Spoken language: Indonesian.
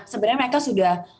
sebenarnya mereka sudah